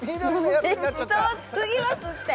適当すぎますって！